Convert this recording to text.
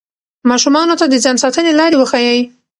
ماشومانو ته د ځان ساتنې لارې وښایئ.